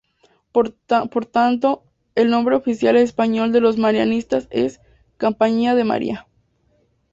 Por tanto, el nombre oficial en español de los marianistas es "Compañía de María".